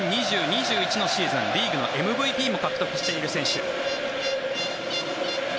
２０２０−２０２１のシーズンリーグのＭＶＰも獲得している選手。